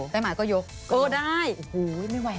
ได้ต้องยก